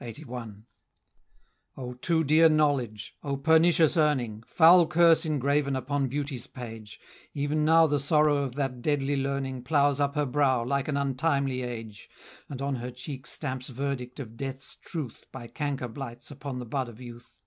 LXXXI. O too dear knowledge! O pernicious earning! Foul curse engraven upon beauty's page! Ev'n now the sorrow of that deadly learning Ploughs up her brow, like an untimely age, And on her cheek stamps verdict of death's truth By canker blights upon the bud of youth!